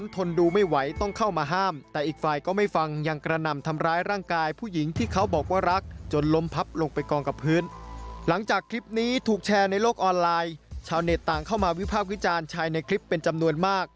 ติดตามเรื่องนี้จากรายงานครับ